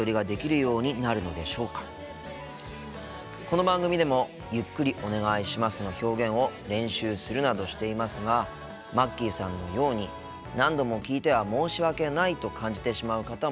この番組でも「ゆっくりお願いします」の表現を練習するなどしていますがまっきーさんのように何度も聞いては申し訳ないと感じてしまう方もいらっしゃいますよね。